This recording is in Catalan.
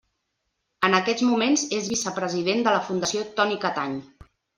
En aquests moments és vicepresident de la Fundació Toni Catany.